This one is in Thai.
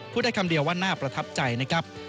พูดได้คำเดียวว่าน่าประทับใจนะครับ